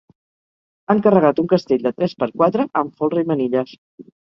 Han carregat un castell de tres per quatre amb folre i manilles.